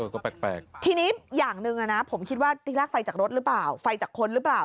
ก็แปลกทีนี้อย่างหนึ่งนะผมคิดว่าที่แรกไฟจากรถหรือเปล่าไฟจากคนหรือเปล่า